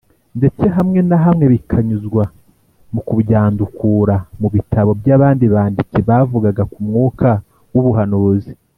ndetse hamwe na hamwe bikanyuzwa mu kubyandukura mu bitabo by’abandi banditsi bavugaga ku Mwuka w’ubuhanuzi